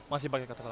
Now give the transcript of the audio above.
masih pakai ktp lama